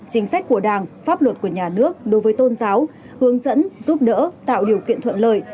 chính sách của đảng pháp luật của nhà nước đối với tôn giáo hướng dẫn giúp đỡ tạo điều kiện thuận lợi